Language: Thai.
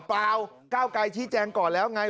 เปล่าก้าวไกรชี้แจงก่อนแล้วไง